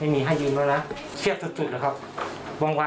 ไม่มีให้ยืนเวลานะแอบสุดสุดหรอครับความว่า